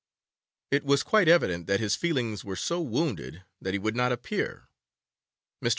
It was quite evident that his feelings were so wounded that he would not appear. Mr.